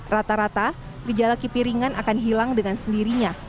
rata rata gejala kipi ringan akan hilang dengan sendirinya